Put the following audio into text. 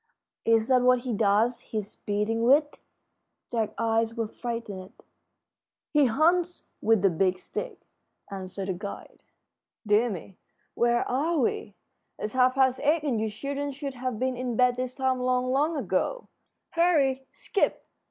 "Is that what he does his beating with?" Jack's eyes were frightened. "He hunts with the Big Stick," answered the guide. "Dear me, where are we? It's half past eight, and you children should have been in bed this time long, long ago. Hurry! Skip!